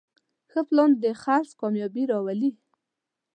ښه پلان د خرڅ کامیابي راولي.